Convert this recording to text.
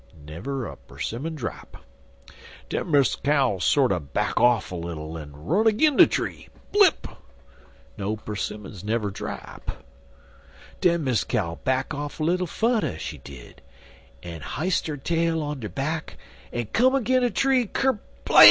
Na'er 'simmon drap. Den Miss Cow sorter back off little, en run agin de tree blip! No 'simmons never drap. Den Miss Cow back off little fudder, she did, en hi'st her tail on 'er back, en come agin de tree, kerblam!